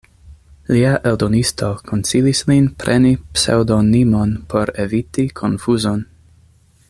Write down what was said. Lia eldonisto konsilis lin preni pseŭdonimon por eviti konfuzon.